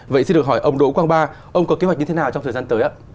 vậy xin được hỏi ông đỗ quang ba ông có kế hoạch như thế nào trong thời gian tới ạ